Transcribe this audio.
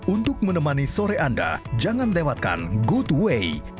untuk menemani sore anda jangan lewatkan good way